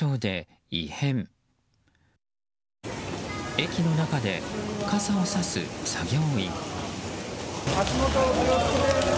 駅の中で傘をさす作業員。